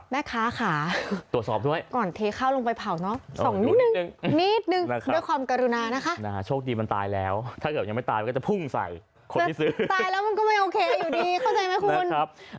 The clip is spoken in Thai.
ไม่ได้เป็นทุกเจ้าแต่ว่าก็ดูให้ดีก่อนกิน